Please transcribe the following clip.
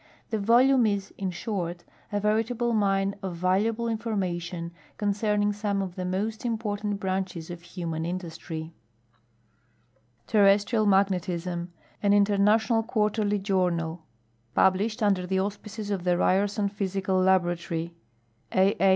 The volume is, in short, a veritable mine of valuable information concerning some of the most important branches of human industry. Terrestrial Magiu tisni: .\n International (Quarterly Journal. Publislu'd under the Auspices of the Ryenson Physical Laboratory, A. A.